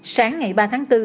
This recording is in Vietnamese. sáng ngày ba tháng bốn